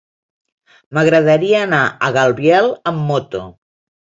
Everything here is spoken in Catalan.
M'agradaria anar a Gaibiel amb moto.